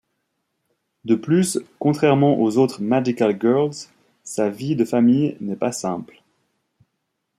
De plus, contrairement aux autres magical girls, sa vie de famille n'est pas simple.